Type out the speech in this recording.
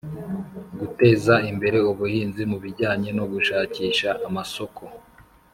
guteza imbere ubuhinzi mu bijyanye no gushakisha amasoko